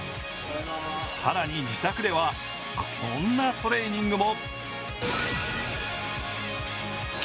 更に自宅ではこんなトレーニングも。